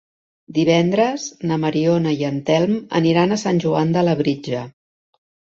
Divendres na Mariona i en Telm aniran a Sant Joan de Labritja.